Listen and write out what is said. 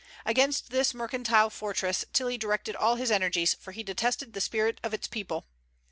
Against this mercantile fortress Tilly directed all his energies, for he detested the spirit of its people.